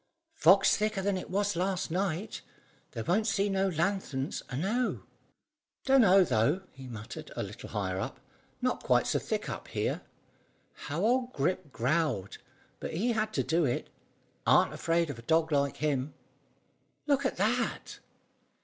"Fog's thicker than it was last night. They won't see no lanthorns, I know." "Dunno, though," he muttered a little higher up. "Not quite so thick up here. How old Grip growled! But he had to do it. Aren't afraid of a dog like him. Look at that!"